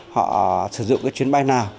họ sử dụng cái chuyến bay nào